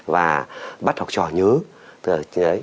và bắt học trò nhớ